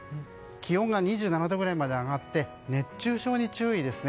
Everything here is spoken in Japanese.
気温が２７度くらいまで上がって熱中症に注意です。